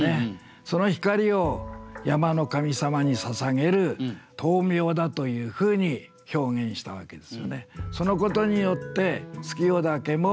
その光を山の神様に捧げる灯明だというふうに表現したわけですよね。